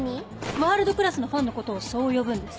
ワールドクラスのファンのことをそう呼ぶんです。